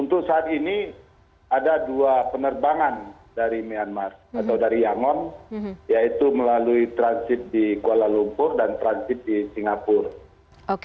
untuk saat ini ada dua penerbangan dari myanmar atau dari yangon yaitu melalui transit di kuala lumpur dan transit di singapura